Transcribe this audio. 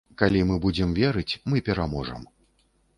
Калі мы будзем верыць, мы пераможам.